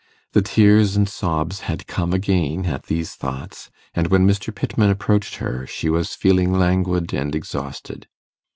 The tears and sobs had come again at these thoughts; and when Mr. Pittman approached her, she was feeling languid and exhausted.